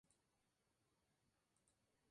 La sede del condado es Grand Junction.